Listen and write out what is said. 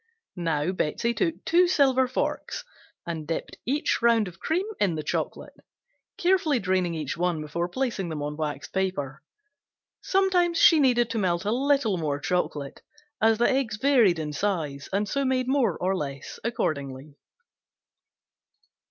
Now Betsey took two silver forks and dipped each round of cream in the chocolate, carefully draining each one before placing on waxed paper. Sometimes she needed to melt a little more chocolate, as the eggs varied in size and so made more or less accordingly.